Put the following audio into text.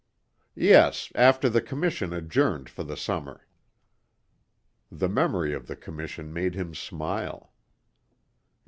"Yes, after the Commission adjourned for the summer." The memory of the commission made him smile.